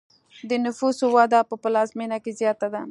د نفوسو وده په پلازمینه کې زیاته ده.